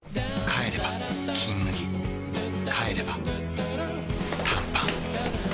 帰れば「金麦」帰れば短パン